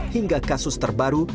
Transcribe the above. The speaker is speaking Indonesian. hingga kasus terbaru